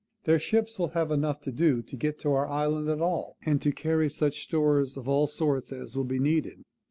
THEIR SHIPS WILL HAVE ENOUGH TO DO TO GET TO OUR ISLAND AT ALL, AND TO CARRY SUCH STORES OF ALL SORTS AS WILL BE NEEDED.